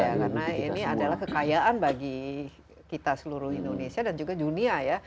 karena ini adalah kekayaan bagi kita seluruh indonesia dan juga dunia ya